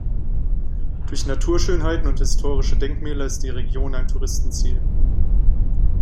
Durch Naturschönheiten und historische Denkmäler ist die Region ein Touristenziel.